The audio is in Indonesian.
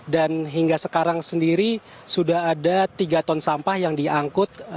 dan hingga sekarang sendiri sudah ada tiga ton sampah yang diangkut